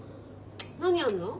何やんの？